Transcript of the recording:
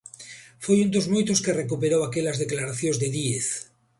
Foi un dos moitos que recuperou aquelas declaracións de Díez.